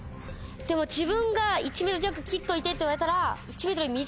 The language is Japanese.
でも自分が「１ｍ弱切っといて」って言われたら。